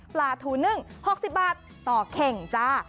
ปลาทูนึ่ง๖๐บาทต่อเข่งจ้า